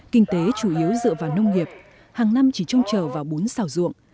kinh tế chủ yếu dựa vào nông nghiệp hàng năm chỉ trông chờ vào bốn xào ruộng